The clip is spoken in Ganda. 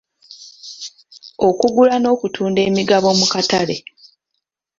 Okugula n'okutunda emigabo mu katale.